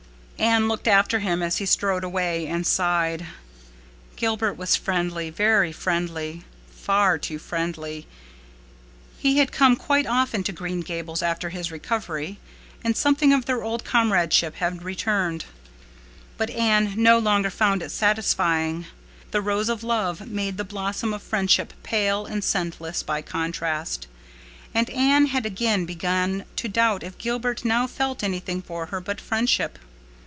Anne looked after him as he strode away, and sighed. Gilbert was friendly—very friendly—far too friendly. He had come quite often to Green Gables after his recovery, and something of their old comradeship had returned. But Anne no longer found it satisfying. The rose of love made the blossom of friendship pale and scentless by contrast. And Anne had again begun to doubt if Gilbert now felt anything for her but friendship.